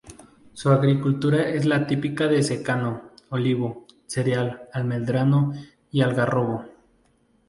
Su agricultura es la típica de secano: olivo, cereal, almendro y algarrobo.